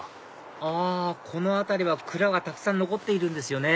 あこの辺りは蔵がたくさん残っているんですよね